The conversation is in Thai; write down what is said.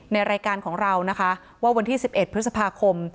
ในรายการของเรานะคะว่าวันที่๑๑พฤษภาคม